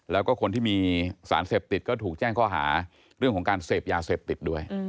แล้วก็คนที่มีสารเสพติดก็ถูกแจ้งข้อหาเรื่องของการเสพยาเสพติดด้วย